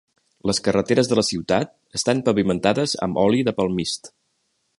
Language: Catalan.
Les carreteres de la ciutat estan pavimentades amb oli de palmist.